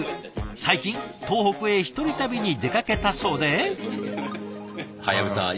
最近東北へ１人旅に出かけたそうで。